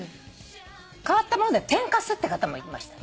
変わったものだと天かすって方もいました。